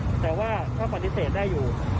หรอเท่าไหหมนึกว่ามันเป็นโดมเคมันไม่ได้ดูด